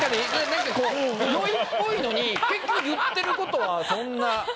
何かこう良いっぽいのに結局言ってることはそんな。